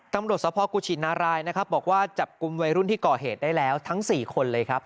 ตำรวจสภกุชินารายนะครับบอกว่าจับกลุ่มวัยรุ่นที่ก่อเหตุได้แล้วทั้ง๔คนเลยครับ